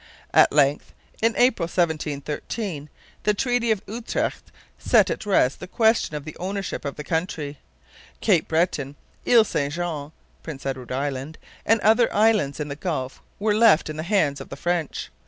At length, in April 1713, the Treaty of Utrecht set at rest the question of the ownership of the country. Cape Breton, Ile St Jean (Prince Edward Island), and other islands in the Gulf were left in the hands of the French.